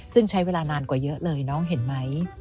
ซึ่งใช้เวลานานกว่าเยอะเลยน้องเห็นไหม